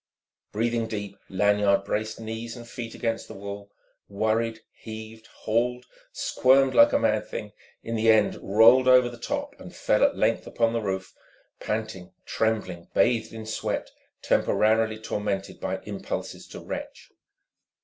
Breathing deep, Lanyard braced knees and feet against the wall, worried, heaved, hauled, squirmed like a mad thing, in the end rolled over the top and fell at length upon the roof, panting, trembling, bathed in sweat, temporarily tormented by impulses to retch.